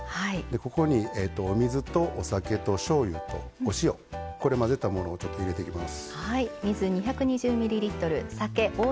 ここにお水とお酒としょうゆとお塩を混ぜたものを入れていきます。